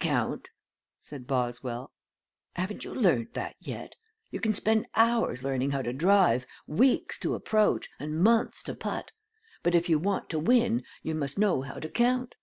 "Count," said Boswell. "Haven't you learned that yet? You can spend hours learning how to drive, weeks to approach, and months to put. But if you want to win you must know how to count."